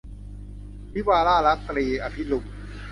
วิวาห์ล่ารัก - ตรี อภิรุม